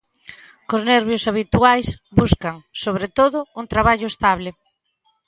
Cos nervios habituais, buscan, sobre todo un traballo estable.